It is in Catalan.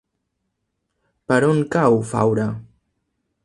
Per on cau Faura?